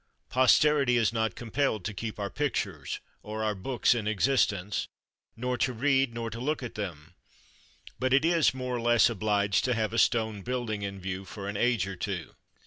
Posterity is not compelled to keep our pictures or our books in existence, nor to read nor to look at them; but it is more or less obliged to have a stone building in view for an age or two.